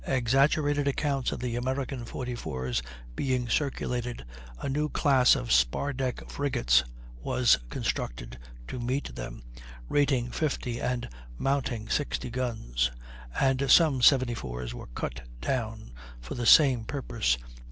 Exaggerated accounts of the American 44's being circulated, a new class of spar deck frigates was constructed to meet them, rating 50 and mounting 60 guns; and some 74's were cut down for the same purpose.